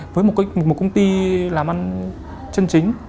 với một công ty làm ăn chân chính